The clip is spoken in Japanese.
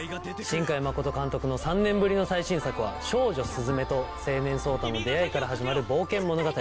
新海誠監督の３年ぶりの最新作は少女・鈴芽と青年・草太の出会いから始まる冒険物語です。